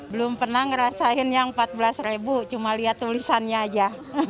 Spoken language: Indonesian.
belum pernah ngerasain yang rp empat belas ribu cuma lihat tulisannya aja